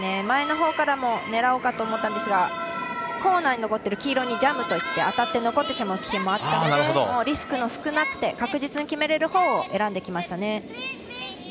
前のほうからも狙おうと思ったんですがコーナーに残っている黄色にジャムといって当たって残ってしまう危険もあったのでリスクが少なくて確実に決められるほうを選びました。